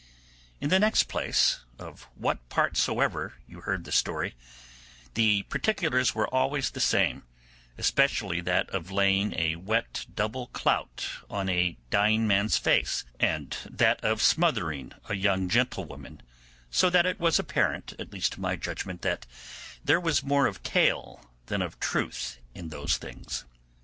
In the next place, of what part soever you heard the story, the particulars were always the same, especially that of laying a wet double cloth on a dying man's face, and that of smothering a young gentlewoman; so that it was apparent, at least to my judgement, that there was more of tale than of truth in those things.